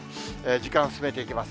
時間進めていきます。